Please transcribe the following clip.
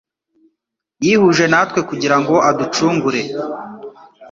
Yihuje natwe kugira ngo aducungure.